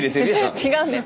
違うんです